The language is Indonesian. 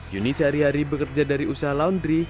yuni sehari hari bekerja dari usaha laundry